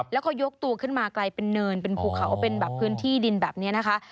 แล้วก็ยกตัวขึ้นมากลายเป็นเนินเป็นภูเขาเป็นแบบพื้นที่ดินแบบนี้นะคะ